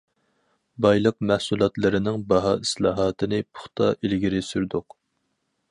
بايلىق مەھسۇلاتلىرىنىڭ باھا ئىسلاھاتىنى پۇختا ئىلگىرى سۈردۇق.